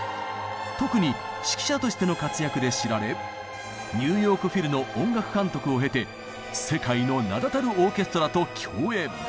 特に指揮者としての活躍で知られニューヨーク・フィルの音楽監督を経て世界の名だたるオーケストラと共演。